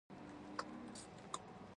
رنګ د ملونه مادې پورې اړه لري.